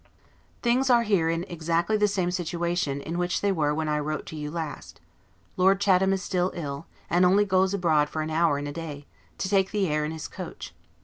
Things are here in exactly the same situation, in which they were when I wrote to you last. Lord Chatham is still ill, and only goes abroad for an hour in a day, to take the air, in his coach.